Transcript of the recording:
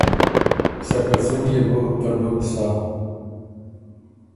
سکه څُون يې بو ته ډُم سَۀ۔